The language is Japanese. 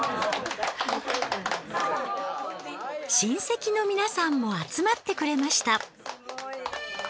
親戚の皆さんも集まってくれました。